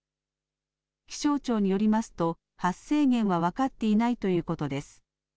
気象庁によりますと発生源は分かっていないということです。